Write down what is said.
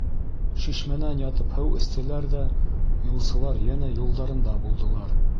Шишмәнән ятып һыу эстеләр ҙә юлсылар йәнә юлдарында булдылар.